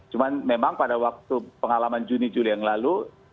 cuma memang pada waktu pengalaman juni juli yang lalu